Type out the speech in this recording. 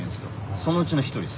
そのうちの１人です。